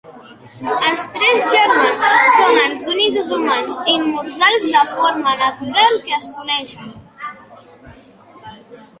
Els tres germans són els únics humans immortals de forma natural que es coneixen.